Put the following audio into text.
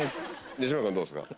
西村君どうですか？